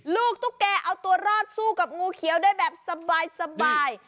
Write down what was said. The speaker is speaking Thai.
ตุ๊กแก่เอาตัวรอดสู้กับงูเขียวได้แบบสบาย